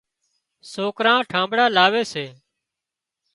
سوڪران ٺانۮڙان لاوي سي